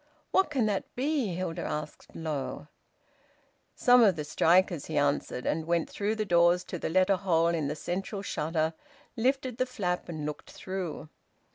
"What can that be?" Hilda asked, low. "Some of the strikers," he answered, and went through the doors to the letter hole in the central shutter, lifted the flap, and looked through.